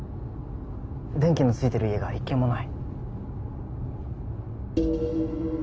電気のついてる家が一軒もない。